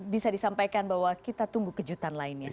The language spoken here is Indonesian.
bisa disampaikan bahwa kita tunggu kejutan lagi ya pak jokowi